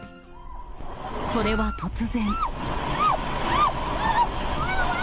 それは突然。